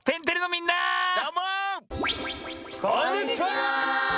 こんにちは！